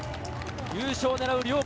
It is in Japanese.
優勝を狙う両校。